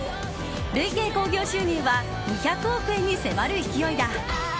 累計興行収入は２００億円に迫る勢いだ。